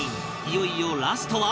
いよいよラストは